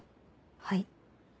はい。